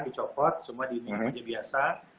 dicopot semua di minum aja biasa